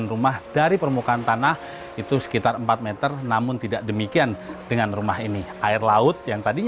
oh ini termasuk dataran tinggi